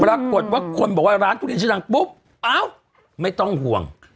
ปรากฏว่าคนบอกว่าร้านทุเรียนชื่อดังปุ๊บอ้าวไม่ต้องห่วง